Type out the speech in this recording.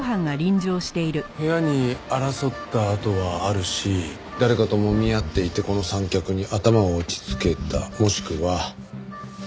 部屋に争った跡があるし誰かともみ合っていてこの三脚に頭を打ちつけたもしくは殴られたか。